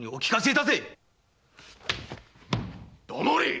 黙れ！